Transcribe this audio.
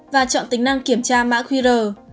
và chọn tính năng kiểm tra mã qr